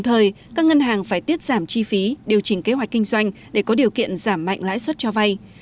tiết giảm chi phí điều chỉnh kế hoạch kinh doanh để có điều kiện giảm mạnh lãi suất cho vai